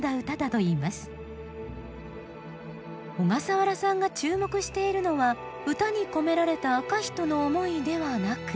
小笠原さんが注目しているのは歌に込められた赤人の思いではなく。